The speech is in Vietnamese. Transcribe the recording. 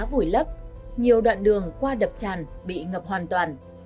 đá vủi lấp nhiều đoạn đường qua đập tràn bị ngập hoàn toàn